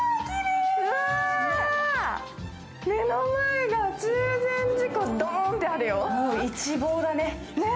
目の前が中禅寺湖ドーンとあるよ。